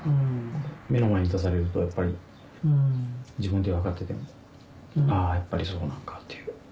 目の前に出されるとやっぱり自分では分かっててもあやっぱりそうなんかっていう。